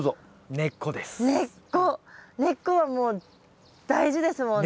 根っこはもう大事ですもんね。